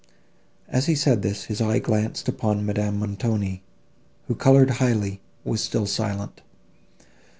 As he said this, his eye glanced upon Madame Montoni, who coloured highly, but was still silent.